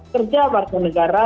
kerja warga negara